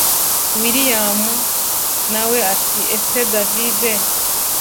william nawe ati ese davide